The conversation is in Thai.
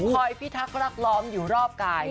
พิทักษ์รักล้อมอยู่รอบกาย